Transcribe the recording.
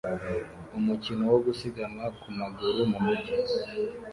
Umukino wo gusiganwa ku maguru mu mujyi